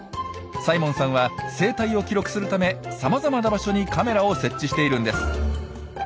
サイモンさんは生態を記録するためさまざまな場所にカメラを設置しているんです。